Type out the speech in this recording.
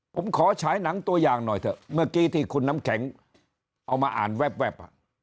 ผมขอฉายหนังตัวอย่างหน่อยเถอะเมื่อกี้ที่คุณน้ำแข็งเอามาอ่านแวบ